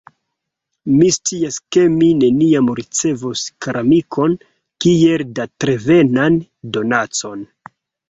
Mi scias ke mi neniam ricevos koramikon kiel datrevenan donacon.